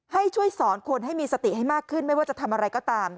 ให้ช่วยสอนคนให้มีสติให้มากขึ้นไม่ว่าจะทำอะไรก็ตาม